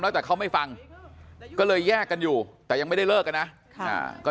แล้วแต่เขาไม่ฟังก็เลยแยกกันอยู่แต่ยังไม่ได้เลิกกันนะก็